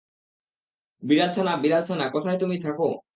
বিড়াল ছানা, বিড়াল ছানা, কোথায় তুমি থাকো?